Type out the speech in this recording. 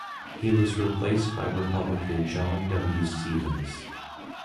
He was replaced by Republican John W. Stephens.